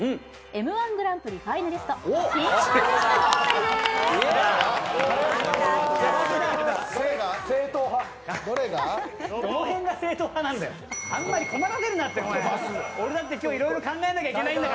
「Ｍ−１グランプリ」ファイナリスト真空ジェシカのお二人です。